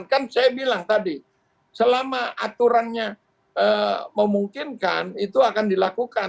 kan saya bilang tadi selama aturannya memungkinkan itu akan dilakukan